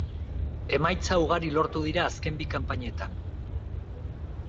Emaitza ugari lortu dira azken bi kanpainetan.